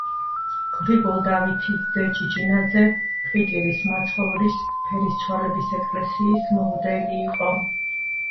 გრიგოლ დავითის ძე ჭიჭინაძე ქვიტირის მაცხოვრის ფერისცვალების ეკლესიის მღვდელი იყო